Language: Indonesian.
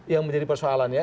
yang menjadi persoalan ya